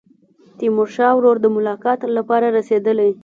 تیمورشاه ورور د ملاقات لپاره رسېدلی.